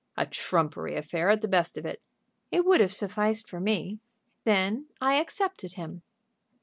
"A trumpery affair at the best of it." "It would have sufficed for me. Then I accepted him."